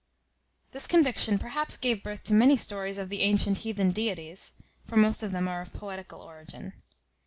This conviction perhaps gave birth to many stories of the antient heathen deities (for most of them are of poetical original).